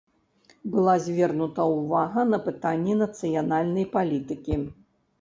Была звернута ўвага на пытанні нацыянальнай палітыкі.